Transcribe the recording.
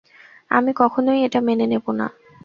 আমি কখনোই এটা মেনে নেবো না।